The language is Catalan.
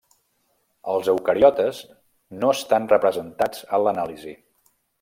Els eucariotes no estan representats en l'anàlisi.